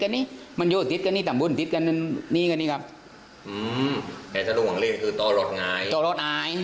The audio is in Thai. ก็มันอยู่ในใกล้ใกล้นี้แต่ถ้ารุ่นหวังเล่นคือต่อรถไง